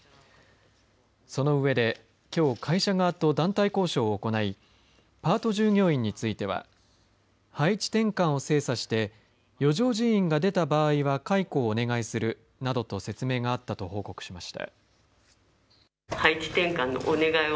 その上できょう会社側と団体交渉を行いパート従業員については配置転換を精査して余剰人員が出た場合は解雇をお願いするなどと説明があったと報告しました。